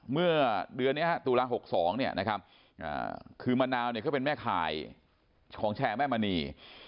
เมื่อเดือนนี้ตุลา๖๒คือมะนาวเขาเป็นแม่ข่ายของแชร์แม่มณี